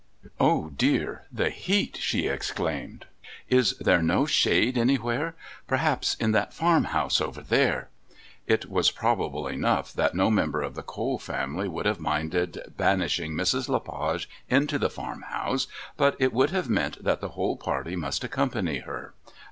"Oh, dear, the heat!" she exclaimed. "Is there no shade anywhere? Perhaps in that farm house over there..." It was probable enough that no member of the Cole family would have minded banishing Mrs. Le Page into the farmhouse, but it would have meant that the whole party must accompany her.